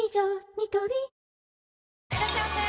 ニトリいらっしゃいませ！